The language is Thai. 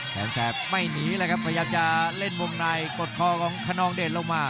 แสนแสบไม่หนีเลยครับพยายามจะเล่นวงในกดคอของคนนองเดชลงมา